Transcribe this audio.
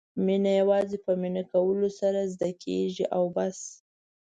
مینه یوازې په مینه کولو سره زده کېږي او بس.